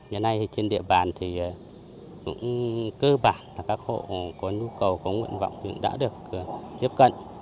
nhà này trên địa bàn thì cũng cơ bản là các hộ có nhu cầu có nguyện vọng thì cũng đã được tiếp cận